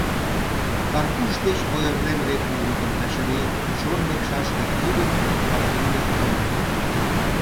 Карпуш деч ойырлен лекме годым Качыри, чон лекшаш гай лӱдын, Палаги дек толын.